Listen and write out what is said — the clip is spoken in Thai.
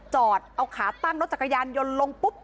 จอดเอาขาตั้งรถจักรยานยนต์ลงปุ๊บ